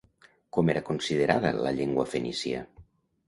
Com era considerada la llengua fenícia?